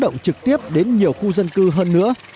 điều này cũng có thể giúp đỡ nhiều khu dân cư hơn nữa